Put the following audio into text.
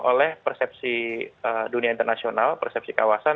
oleh persepsi dunia internasional persepsi kawasan